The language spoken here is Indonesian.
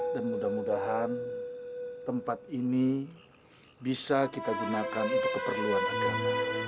dan mudah mudahan tempat ini bisa kita gunakan untuk keperluan agama